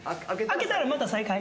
開けたらまた再開？